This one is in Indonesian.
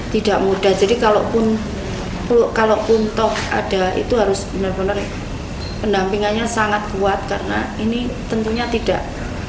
tidak mudah jadi kalau pun toh ada itu harus benar benar pendampingannya sangat kuat karena ini tentunya tidak